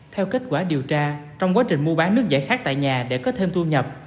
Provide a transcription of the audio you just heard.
theo kết quả điều tra trong quá trình mua bán nước giải khát tại nhà để có thêm thu nhập